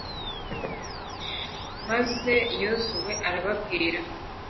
maze yozuwe arababwira